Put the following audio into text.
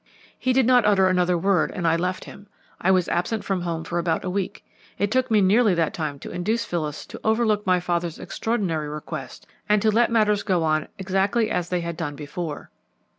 "He did not utter another word, and I left him. I was absent from home for about a week. It took me nearly that time to induce Phyllis to overlook my father's extraordinary request, and to let matters go on exactly as they had done before.